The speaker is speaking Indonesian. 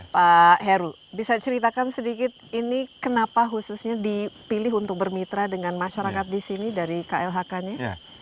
pak heru bisa ceritakan sedikit ini kenapa khususnya dipilih untuk bermitra dengan masyarakat di sini dari klhk nya